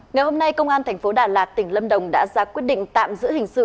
ngày hôm nay công an tp đà lạt tỉnh lâm đồng đã ra quyết định tạm giữ hình sự